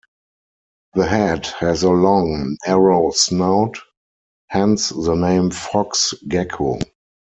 The head has a long, narrow snout, hence the name fox gecko.